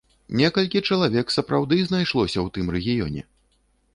Некалькі чалавек сапраўды знайшлося ў тым рэгіёне!